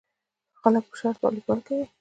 خلک په شرط والیبال کوي.